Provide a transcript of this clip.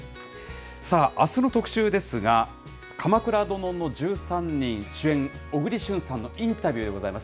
あすの特集ですが、鎌倉殿の１３人、主演、小栗旬さんのインタビューがございます。